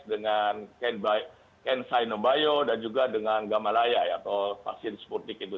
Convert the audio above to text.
dengan kansai nobayo dan juga dengan gamalaya atau vaksin sputnik itu